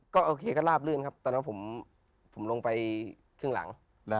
ก็โอเคก็ลาบลื่นครับตอนนั้นผมลงไปครึ่งหลัง